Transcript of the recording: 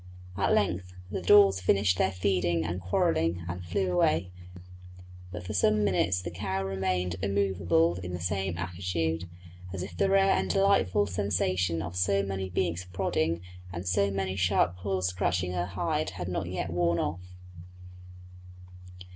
At length the daws finished their feeding and quarrelling and flew away; but for some minutes the cow remained immovable in the same attitude, as if the rare and delightful sensation of so many beaks prodding and so many sharp claws scratching her hide had not yet worn off.